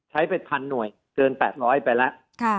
ใช้ไป๑๐๐หน่วยเกิน๘๐๐ไปแล้ว